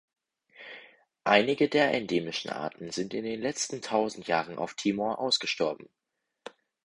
Einige der endemischen Arten sind in den letzten tausend Jahren auf Timor ausgestorben.